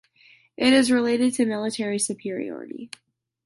It is related to military superiority.